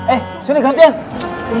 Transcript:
eh sini gantian